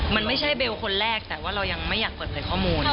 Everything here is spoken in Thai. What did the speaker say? มันไม่ใช่เบลคนแรกแต่ว่าเรายังไม่อยากเปิดเผยข้อมูล